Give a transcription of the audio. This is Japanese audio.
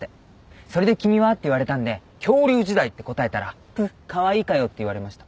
「それで君は？」って言われたんで恐竜時代って答えたら「プッカワイイかよ」って言われました。